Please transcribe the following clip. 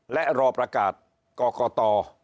และรอประกาศกรกต